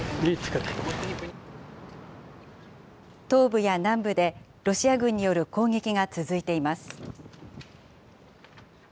東部や南部で、ロシア軍による攻撃が続いています。